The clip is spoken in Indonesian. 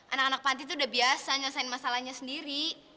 anak anak panti itu udah biasa nyelesain masalahnya sendiri